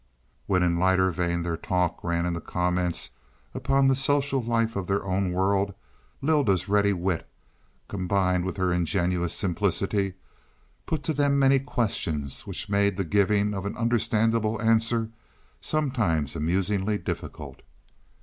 When in lighter vein their talk ran into comments upon the social life of their own world, Lylda's ready wit, combined with her ingenuous simplicity, put to them many questions which made the giving of an understandable answer sometimes amusingly difficult.